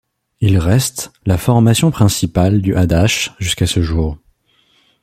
Il reste la formation principale du Hadash jusqu'à ce jour.